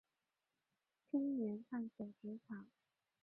青年探索职场